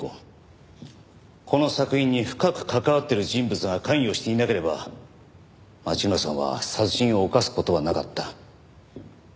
この作品に深く関わっている人物が関与していなければ町村さんは殺人を犯す事はなかった。